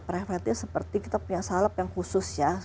preventif seperti kita punya salep yang khusus ya